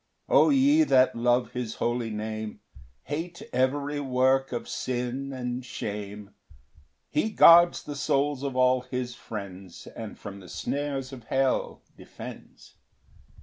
2 O ye that love his holy Name, Hate every work of sin and shame; He guards the souls of all his friends, And from the snares of hell defends.